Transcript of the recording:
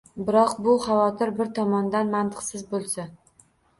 Biroq bu xavotir bir tomondan mantiqsiz bo‘lsa